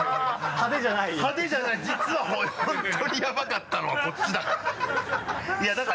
派手じゃない実は本当にヤバかったのはこっちだから。